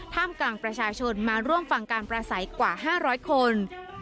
ท่ามกลางประชาชนมาร่วมฟังการประสัยกว่า๕๐๐คน